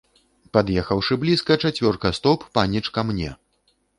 Пад'ехаўшы блізка, чацвёрка стоп, паніч ка мне.